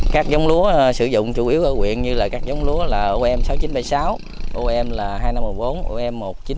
các giống lúa sử dụng chủ yếu ở quyện như là các giống lúa là om sáu nghìn chín trăm bảy mươi sáu om hai nghìn năm trăm một mươi bốn om một nghìn chín trăm bốn mươi